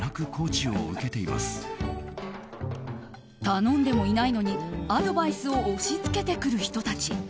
頼んでもいないのにアドバイスを押し付けてくる人たち。